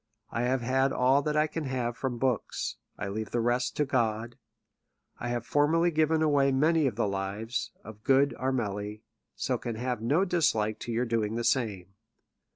I have had all that I can have from books : I leave the rest to God. I have formerly given away many of the lives oi good Armelle, so can have no dislike to your doing the same.